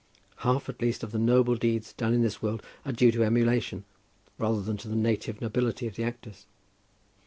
Half at least of the noble deeds done in this world are due to emulation, rather than to the native nobility of the actors.